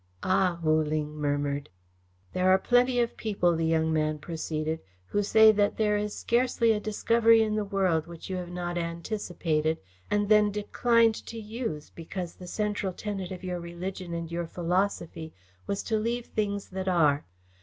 "Ah!" Wu Ling murmured. "There are plenty of people," the young man proceeded, "who say that there is scarcely a discovery in the world which you have not anticipated and then declined to use because the central tenet of your religion and your philosophy was to leave things that are.